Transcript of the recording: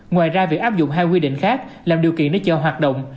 ngoài ra việc áp dụng hai quy định khác làm điều kiện để chợ hoạt động